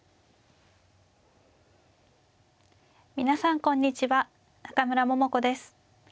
皆さんこんにちは中村桃子です。